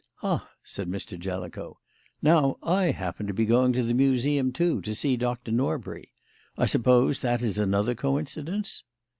"Ha," said Mr. Jellicoe, "now, I happen to be going to the Museum too, to see Doctor Norbury. I suppose that is another coincidence?"